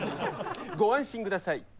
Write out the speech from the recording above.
ご安心ください。